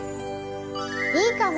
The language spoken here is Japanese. いいかも！